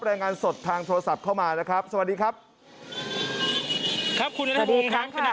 รายงานสดทางโทรศัพท์เข้ามานะครับสวัสดีครับครับคุณนัทภูมิครับ